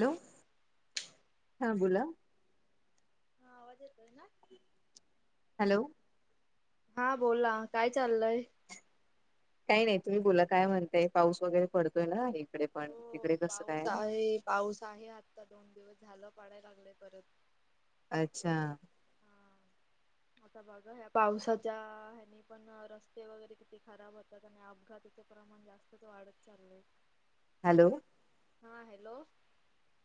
Hello? हां बोला हा, आवाज येतोयना? हॅलो? हा बोला, काय चाल्लय? काही नही, तुम्ही बोला, काय म्हणताय? पाऊस वगैरे पडतोय ना, इकडे पण, हो तिकडे कसं पाऊस काय? आहे पाऊस आहे आत्ता, दोन दिवस झालं, पाडाय लागलंय परत. अच्छा. म-आता बघा, ह्या पावसाच्या, हेने पण रस्ते वगैरे, किती खा ब होतात आणि अपघाताचे प्रमाण, जास्तच वाढत चाललंय. हॅलो? हां, हॅलो?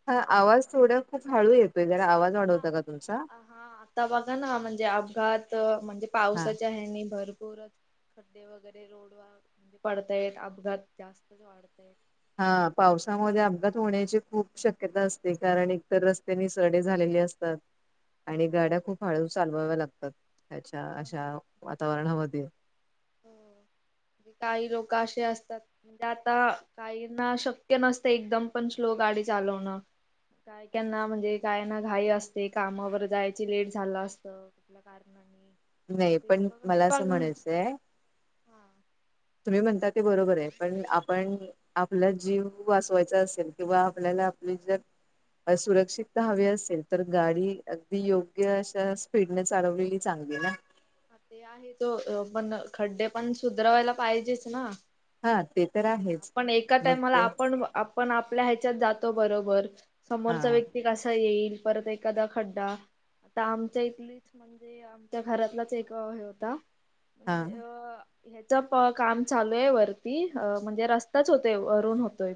हां, आवाज थोडा खूप हळू येतोय, जरा आवाज हा वाढवता का तुमचा? हा आता बघा ना, म्हणजे अपघात, म्हणजे हा पावसाच्या यानी भरपूरच खड्डे वगैरे, रोड व, म्हणजे पडतायेत, अपघात जास्तच वाढताय. हा, पावसामध्ये अपघात होण्याची खूप शक्यता असते, कारण एकत रस्ते, निसरडे झालेले अस तात आणि गाड्या हा खूप हळू, चालवाव्या लागतात. त्याच्या हो अशा ना वातावरणामध्ये काही लोकं, अशे असतात म्हणजे आता काही ना, शक्य नसतं, एकदम पण स्लो गाडी चालवणं. काय त्यांना, म्हणजे काय ना घाई असते, कामावर जायची, लेट झालं असत. [unintelligible] आपला कारणाणे नही, पण मला असं म्हणायचंय हा. तुम्ही म्हणता, ते बरोबर ये, पण आपण आपला जीव, वाचवायचा असेल किंवा आपल्याला आपली जर सुरक्षितता हवी असेल, तर गाडी अगदी योग्य अशा, स्पीडने चालवलेली चांगली ना? ते आहे गं, पण खड्डे पण सुधरवायला, पाहिजेच ना? हा ते तर आहेच पण एका मग टाइमाला, ते आपण आप पण, आपल्या ह्याच्यात जातो बरोबर, हा समोरचा व्यक्ती कसा येईल, परत ए एखादा खड्डा, आता आमच्या इथलीच म्ह म्हणजे आमच्या घरातलाच, एक हे होता हा. म्हणजे अ ह्याच क-काम चालू ये वरती, अ म्हणजे रस्ताच होतोय, वरुन होतोय.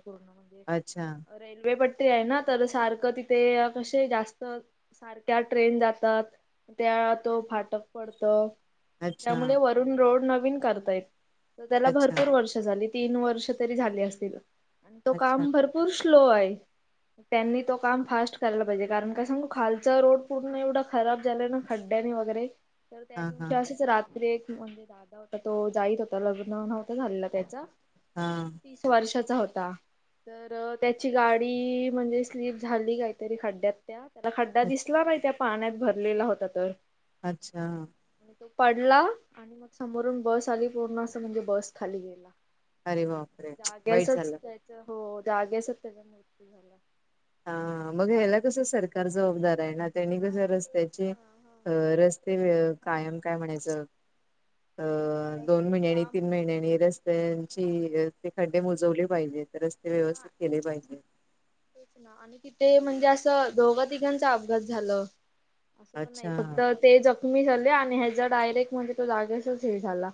अच्छा. रेल्वेपट्टी आये ना, तर सारखं तिथे, कशे जास्त सारख्या ट्रेन जातात त्या तो फाटक पडत. अच्छा त्यामुळे वरून रोड नवीन करतायेत. त्याला अच्छा भरपूर वर्ष झाली. तीन वर्ष तरी झाले असतील. तो अच्छा काम भरपूर स्लो आहे. त्यांनी तो काम फास्ट करायला पाहिजे कारण काय सांगू खालचा रोड पूर्ण एवढं खराब झालं ना खड्ड्यानी वगैरे तर त्या हा हा दिवशी असेच रात्री एक म्हणजेात. होता तो जाईत होता लग्न नव्हता झालेला त्याच. हा. वर्षाचा होता. तर त्याची गाडी. म्हणजे स्लीप झाली काहीतरी खड्ड्यात त्या. त्याला खड्डा दिसला बाई त्या पाण्यात भरलेला होता तर अच्छा, आणि तो पडला आणि मग समोरून बस आली पूर्ण अस म्हणजे बस खाली गेला. अरे बाप? जाग्यासच त्याचा हो जागयासच त्याचा मृत्यू झाला. हा. मग ह्याला कसं सरकार जबाबदार आहे ना, त्यांनी कस हा तेच रस्त्याचे ना हा. रस्ते ते कायम काय म्हणायचं अ - दोन रस्ता महिन्यांनी काम तीन महिन्यानी रस्ते त्यांची. ते खड्डे बुजवले पाहिजे तर रस्ते व्यवस्थित केले पाहिजे. तेच आणि तिथे म्हणजे असं दोघं तिघांचा अपघात झालं. असं पण नाही ते अच्छा फक्त जखमी झाले आणि ह्याच्या डायरेक्ट म्हणजे तो जागेसच हे झाला.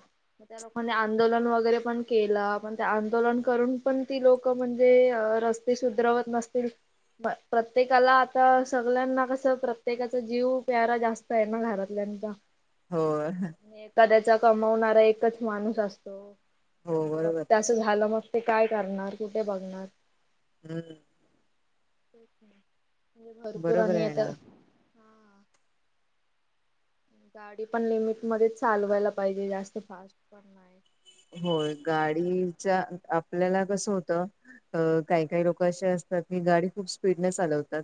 त्या लोकानी आंदोलन वगैरे पण केलं. पण ते आंदोलन करून पण ती लोक म्हणजे रस्ते ते सुधारवत नसतील. प्रत्येकाला आता सगळ्यांना कसं प्रत्येकाचा जीव प्यारा जास्त आहे ना घरातल्याचा. [inaudible] होयं. एखाद्याचा कमवणारा एकच माणूस असतो. बरोबर त्यांचा, असं झालं मग ते काय करणार कुठे बघणार? हम्म, म्हणजे भरपूर बरोबर आणि आहे ना आता हा गाडी पण लिमिट मध्ये चालवायला पाहिजे जास्त फास्ट पण नाही. होय गाडीच्या आपल्याला कसं होतं. अ काही- काही लोक असे असतात की गाडी खूप स्पीडने चालवतात.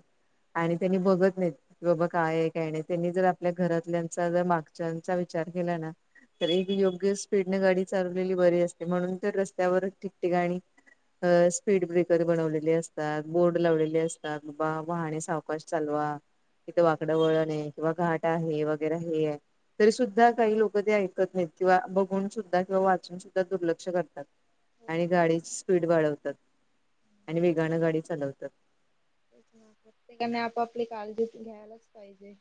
आणि त्यांनी बघत नाहित. क बाबा काय ये काय नाही त्यांनी जर आपल्या घरातल्यांचा जर मागच्यांचा विचार केला ना तरी एक योग्य स्पीडने गाडी चाललेली बरी असते म्हणून रस्त्यावर ठिकठिकाणी स्पीड ब्रेक तर बनवलेली असतात बोर्ड लावलेली असतात बा वाहणे सावकाश चालवा, इकडं वाकड वळण आहे किंवा घाट आहे वगैरे हे आहे. तरी सुद्धा काही लोक ते ऐकत नाहीत किंवा बघून सुद्धा कि वाचून सुद्धा दुर्लक्ष करतात हो आणि ना तेच गाडीची स्पीड वाढवतात. आणि तेच वेगानं गाडी चालवतात. प्रत्येकाने आपापली काळजी घ्यायलाच पाहिजे.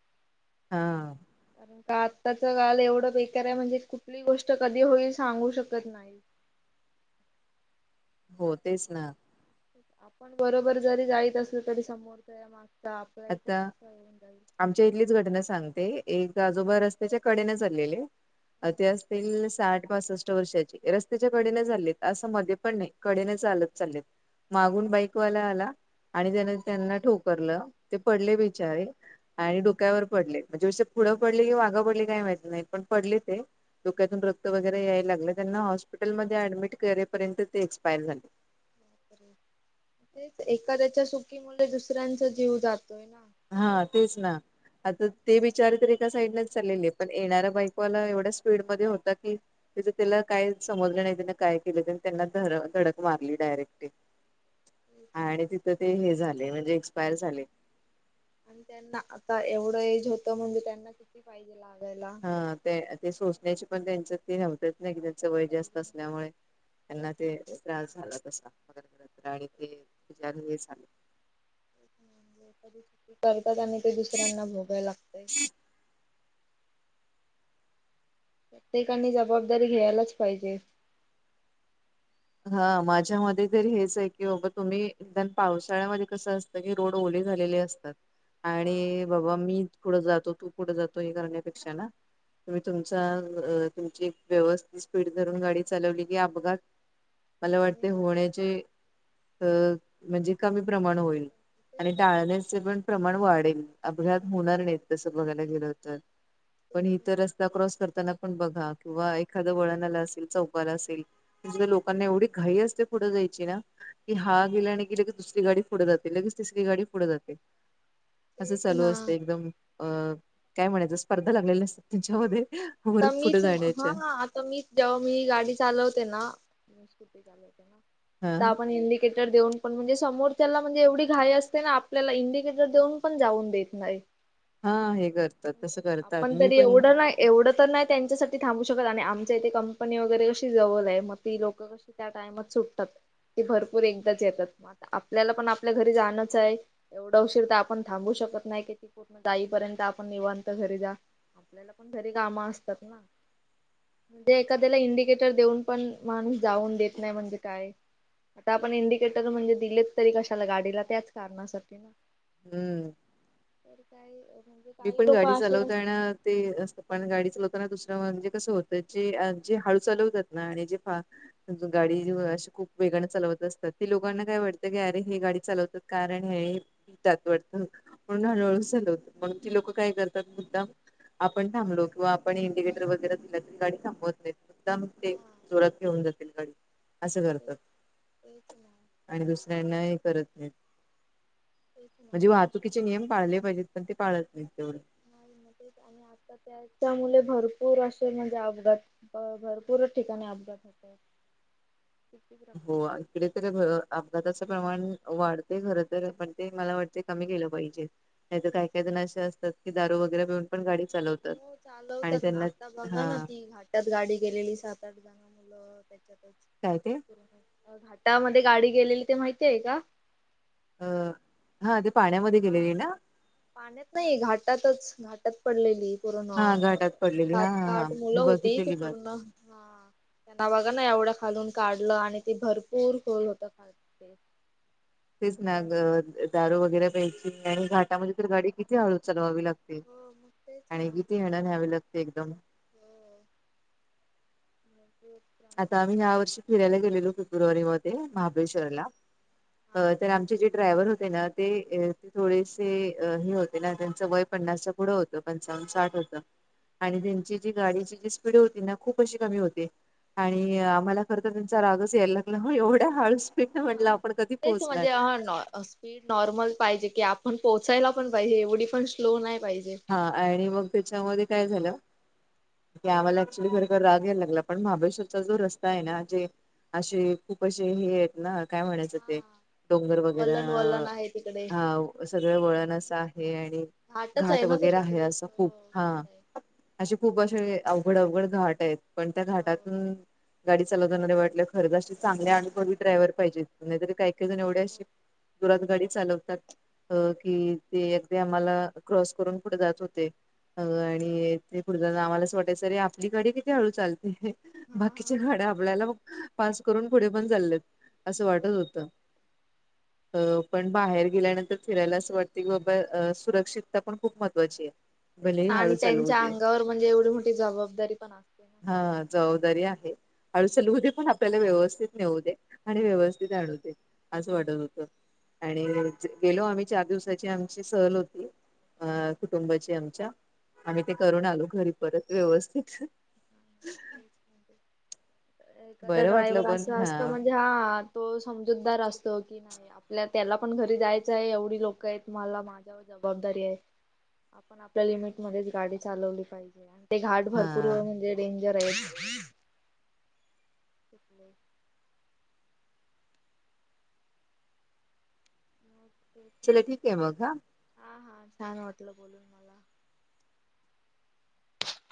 हा. कारण का आत्ताच काल एवढं बेकार आहे म्हणजे कुठली गोष्ट कधी होईल सांगू शकत नाही. होतेच ना आपण बरोबर जरी जायचं असलं तरी समोर त्या या मागता आपल्या इथून आता कसा येऊन जाईल. आमच्या इथलीच घटना सांगते, एक आजोबा रस्त्याच्या कडेने चाललेले. ते असतील साठ पासष्ट वर्षाचे, रस्त्याच्या कडेने चाललेत असं मध्ये पण नाही. कडेने चालत चाललेत मागून बाईकवाला आला आणि त्याने त्यांना ठोकरलं ते पडले बिचारे. आणि डोक्यावर पडले, म्हणजे विष पुढं पडले कि माघं पडली काही माहत नाही, पण पडले ते. डोक्यातून रक्त वगैरे यायला लागल त्यांना हॉस्पिटलमध्ये ऍडमिट करेपर्यंत ते एक्सपायर झाले. तेच एखाद्याच्या सुकी मुळे दुसऱ्यांचा जीव जातोय ना. हा तेच ना. आता ते बिचारे तर एका साईडनेच चालेले, पण येणारां बाईकवाला एवढ्या स्पीड मध्ये होता की. तेच त्याला काय समजल नाही त्यानं काय केलं ते नं त्यांना ध-धडक मारली डायरेक्ट. [inaudible] आणि तिथं ते हे झाले म्हणजे एक्सपायर झाले. आणि त्यांना आता एवढं एज होतं म्हणजे त्यांना किती पाहिजे लागायला. हं ते ते सोसंण्याची पण त्यांच्यात ते नव्हत्यात. नाही की त्यांच त्यातच वय जास्त पाहिजे असल्यामुळे तेच त्यांना ते ना त्रास झाला अस. आणि ते [unintelligible] झाले म्हणजे करतात आणि ते दुसऱ्यांना भोगायला लागतय. त्येकानी जबाबदारी घ्यायलाच पाहिजे. हा माझ्या मते तरी हेच आहे की बाबा तुम्ही. देन पावसाळ्यामध्ये कसं असतं की रोड ओले झालेले असतात. आणि हा बाबा मी पुढ जातो तू पुढ जातो हे करण्यापेक्षा ना. तुम्ही तुमचा अ तुमची एक व्यवस्थित स्पीड धरून गाडी चालवली की अपघात मला कमी वाटते होत होण्याचे अ म्हणजे कमी प्रमाण होईल. तेच आणि ना टाळण्याचे पण प्रमाण वाढेल अपघात होणार नाहीत तसं बघायला गेलं तर. पण तेच ईथ ना रस्ता क्रॉस करताना पण बघा किंवा एखादं वळणाला असेल चौपाल असेल. म्हणजे त्यां लोकांना एवढी घाई असते पुढं जायची ना. कि हा गेला हो. नाही कीं लगेच दुसरी गाडी पुढं जाते लगेच तिसरी गाडी पुढं जाते. [inaudible] असं चालू ना असत एकदम अ काय म्हणायचं स्पर्धा लागलेली असत. हो. त्यांच्यामध्ये वर आता पुुढे मीच हा जाण्याच्या. आता मीच जेव्हा मी गाडी चालवते ना हा आता आपण इंडि केटर देऊन पण म्हणजे समोरच्याला म्हणजे एवढी घाई असते ना आपल्याला इंडिकेटर देऊन पण जाऊन देत नाही. [inaudible] हा हे करतात तसं करतात मी पण नाहीं एवढं तर नाही त्यांच्यासाठी थांबू शकत आणि आमच्या इथे कंपनी वगैरे अशी जवल आहे मग ती लोक अशी त्या टाइमात सुटतात. ते भरपूर एकदाच येतात म आता, आपल्याला पण आपल्या घरी जाणंच आहे. एवढा उशीर तर आपण थांबू शकत नाही की ती पूर्ण जाईपर्यंत आपण निवांत घरी जा. आपल्याला पण घरी कामं असतात ना! म्हणजे एखाद्याला इंडिकेटर देऊन पण माणूस जाऊन देत नाही म्हणजे काय? आता आपण इंडिकेटर म्हणजे दिलेत तरी कशाला गाडीला त्याच कारणासाठी ना. हूं! तर काही म्हणजे काही लोक गाडी असे अस चालवताना ते असतं पण गाडी चंलवताना दुसरं म्हणजे कसं होतंय जे-जे हळू चालवतात ना आणि जे फा गाडी अशी खूप वेगानं चालवत असतात ते लोकांना काय वाटतं की अरे हे गाडी चालवतात. कारण हे पितात वाढत. म्हणून अ हा सलवत. म्हणून ती लोक काय करतात मुद्दाम आपण थांबलो. किंवा आपण इंडिकेटर वगैरे दिल तर गाडी थांबवत नाहीत. मुद्दामच ते हा जोरात घेऊन जातील गाडी. असं करतात. तेच ना आणि दुसऱ्यांनाही करत नाहीत. तेच ना म्हणजे आणि असे वाहतुकीचे नियम पाळले पाहिजेत. पण ते पाळत नाहीत तेवढ. नाही म तेच आम्ही आल - - तर त्याच्यामुले भरपूर असे म्हणजे अपघात भरपूर ठिकाणी अपघात होत े [inaudible] हो इकडे तर भर - अपघाताचं प्रमाण वाढते खर तर पण ते मला वाटते कमी केलं पाहिजे. नाही तर काही काही जण अशे असतात की दारु वगैरे पिऊन पण गाडी चालवत हो चालवतात ना? आता बघा ना? ती घाट त्यात गाडी गेलेली. सात -आठ जण मुलं त्याच्यातच. काय ते? घाटामध्ये गाडी गेलेली ते माहिती आहे का? अ हा ते पाण्यामध्ये हा गेलेली ना? पाण्यात नाही. घाटातच घाट टात पडलेली पूर्ण. हा घाटात पडलेली सात हा हा का हा आठ मुलं मी होती. ती बघितलेली बात पूर्ण हा त्यांना बघा ना. एवढं खालून काढलं आणि ते भरपूर खोल होत खा ते तेच आणि ना द त्यांना दारू वगैरे प्यायची आणि घाटामध्ये तर गाडी किती हळू चालवावी लागते. हो मग तेच आणि ना किती हळू न्यावी लागते एकदम. हो [unintelligible] आता आम्ही केले या वर्षी फिरायला गेलेलो. फेब्रुवारी मध्ये. महाबळेश्वरला. तर आमचे जे ड्रायव्हर होते ना? ते थोडेसे हे होते ना? त्यांच वय पन्नास च्या पुढं होतं पंचावन्न साठ होतं. आणि त्यांची जी गाडीची जी स्पीड होती ना खूप अशी कमी होती. आणि आम्हाला खर तर त्यांचा रागच यायला लागला हो. एवढ्या हाळूस म्हटलं हा आपण कधी तेच पोहचणार? [inaudible] स्पीड नॉर्मल पाहिजे की. आपण पोहोचायला पण पाहिजे. एवढी पण स्लो नाही पाहिजे. हा आणि मग त्याच्यामध्ये काय झालं? की आम्हाला ऍक्च्युली खरतर राग यायला लागला. पण महाबळेश्वरचा जो रस्ता आहे ना? जे अशे खूप अशे हे आहेत ना? काय म्हणायचं ते? डोंगर वगैरा वलन वलन आहे तिकडे हा सगळं वळणस आहे. आणि घाटच घाट ना तो वगैरे आहे तिकडे असं खूप. हो हा. घाट आहे अशे खूप अशे अवघड अवघड घाट आहेत. पण त्या हो घाटातून गाडी चालवताणा ते वाटले. खरं तर अशी चांगले अनुभवी ड्रायव्हर पाहीजेत. नाहीतरी काही काही जण हो एवढे अशे हो जुरात गाडी चालवतात. अ कि ते अगदी आम्हाला क्रॉस करून पुढे जात होते. अ आणि ते पुढ जाताना आम्हालाच वाटायचं रे आपली गाडी किती हळू चालते? हा बाकीच्या हा गाड्या आपल्याला मग पास करून पुढे पण चाललेत. असं वाटत हा होतं. अ पण बाहेर गेल्यानंतर फिरायला असं वाटते की बाबा अ सुरक्षित [inaudible] ता पण खूप महत्वाची आहे. [inaudible] तेच भले ना आणि हळू चालवू त्यांच्या दे अंगावर म्हणजे एवढी मोठी जबाबदारी पण [inaudible] असते ना हा सर्वांची. जबाबदारी आहे. अळूचल पण आपल्याला व्यवस्थित नेऊ दे. आणि हो व्यवस्थित [inaudible] आणवते असं वाटत तेच होत आणि त्यांना पण गेलो आम्ही चार दिवसाची आमची सहल होती. अ कुटुंबाची आमच्या आम्ही ते करून आलो घरी परत व्यवस्थित. एखादा बरं वाटलं ड्रायव्हर पण असं हा असत म्हणजे हा तो समजूतदार असतो की [inaudible] नाही आपल्या त्याला पण घरी जायचं आहे. एवढी लोकं आहेत मला माझ्यावर जबाबदारी आहे. आपण आपल्या लिमिटमध्येध्येच गाडी चालवली पाहिजे आणि ते घाट हा. भरपूर म्हणजे डेंजर आहे. शक्र [inaudible] [inaudible] ओके. चला ठीक आहे मग हा. हा हा छान होटलं बोलून मला